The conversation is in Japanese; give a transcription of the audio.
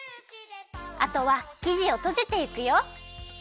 あとはきじをとじていくよ。